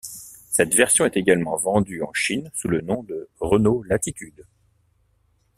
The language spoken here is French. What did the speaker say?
Cette version est également vendue en Chine sous le nom de Renault Latitude.